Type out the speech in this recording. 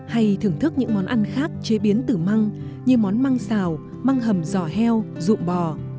hay thưởng thức những món ăn khác chế biến từ măng như món măng xào măng hầm giò heo ruộng bò